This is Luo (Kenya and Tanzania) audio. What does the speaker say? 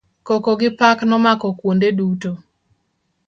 Koko gi pak nomako kuonde duto.